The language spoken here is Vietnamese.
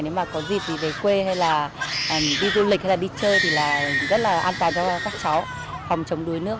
nếu mà có dịp thì về quê hay là đi du lịch hay là đi chơi thì là rất là an toàn cho các cháu phòng chống đuối nước